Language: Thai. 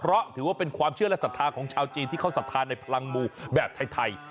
เพราะถือว่าเป็นความเชื่อและศรัทธาของชาวจีนที่เขาศรัทธาในพลังมูแบบไทย